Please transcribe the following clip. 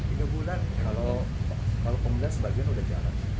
tiga bulan kalau pembelas bagian sudah jalan